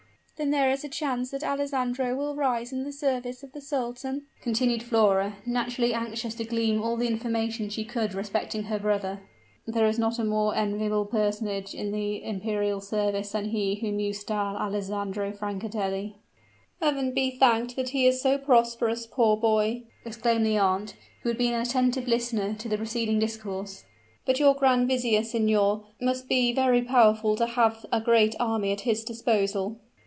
"Then there is a chance that Alessandro will rise in the service of the sultan?" continued Flora, naturally anxious to glean all the information she could respecting her brother. "There is not a more enviable personage in the imperial service than he whom you style Alessandro Francatelli." "Heaven be thanked that he is so prosperous, poor boy!" exclaimed the aunt, who had been an attentive listener to the preceding discourse. "But your grand vizier, signor, must be very powerful to have a great army at his disposal."